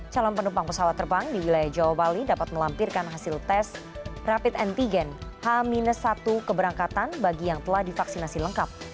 calon penumpang pesawat terbang di wilayah jawa bali dapat melampirkan hasil tes rapid antigen h satu keberangkatan bagi yang telah divaksinasi lengkap